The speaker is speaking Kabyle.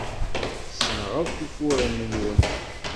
Ssneɣ akk ufuren-nwen.